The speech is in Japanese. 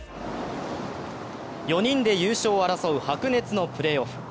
４人で優勝を争う白熱のプレーオフ。